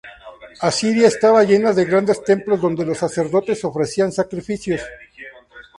Asiria estaba llena de grandes templos donde los sacerdotes ofrecían sacrificios.